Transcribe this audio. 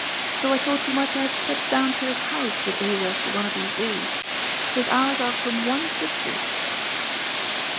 So I thought you might perhaps step down to his house with Elias one of these days. His hours are from one to three."